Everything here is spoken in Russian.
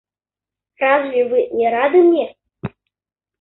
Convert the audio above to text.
Разве вы не рады мне?